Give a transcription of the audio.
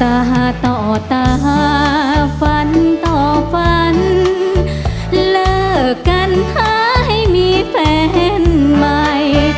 ตาต่อตาฝันต่อฝันเลิกกันท้าให้มีแฟนใหม่